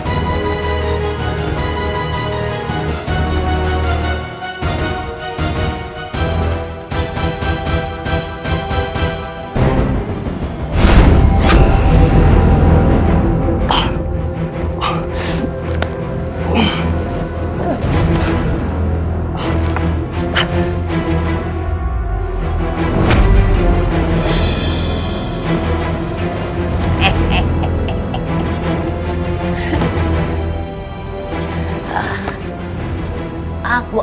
aku akan menanggungmu